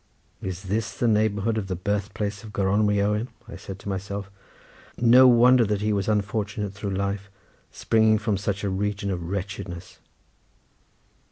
"Is this the neighbourhood of the birth place of Gronwy Owen?" said I to myself. "No wonder that he was unfortunate through life, springing from such a region of wretchedness."